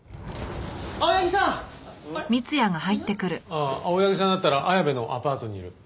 ああ青柳さんだったら綾部のアパートにいる。